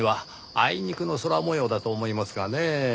あいにくの空模様だと思いますがねぇ。